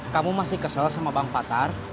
kamu masih kesel sama bang patar